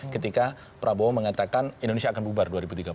ketika prabowo mengatakan indonesia akan bubar dua ribu tiga puluh